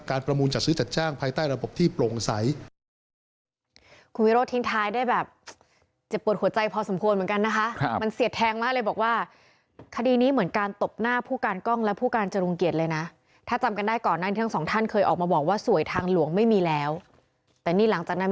ประมูลจัดซื้อจัดจ้างภายใต้ระบบที่โปร่งใส